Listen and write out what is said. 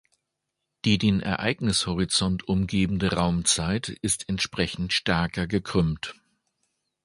Die den Ereignishorizont umgebende Raumzeit ist entsprechend stärker gekrümmt.